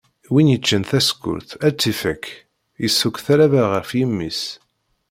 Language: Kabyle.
Win yeččan tasekkurt ar tt-ifak, isuk talaba ɣef yimi-s.